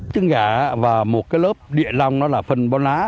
trứng gà và một cái lớp địa lông đó là phần bó lá